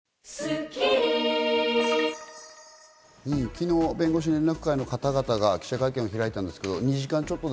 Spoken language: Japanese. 昨日、弁護士連絡会の方々が記者会見を開いたんですが、２時間ちょっと。